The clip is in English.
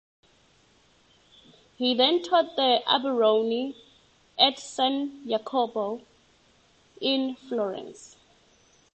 He then taught at the Alberoni and at San Jacopo in Florence.